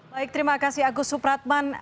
baik terima kasih agus supratman